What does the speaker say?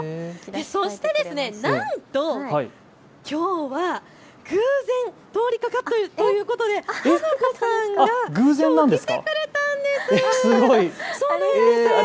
そしてなんときょうは偶然通りかかったということではなこさんがきょう、来てくれたんです。